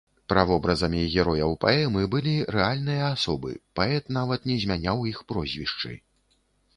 Правобразамі герояў паэмы былі рэальныя асобы, паэт нават не змяняў іх прозвішчы.